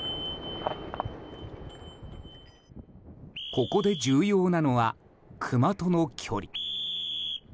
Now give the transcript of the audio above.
ここで重要なのがクマとの距離。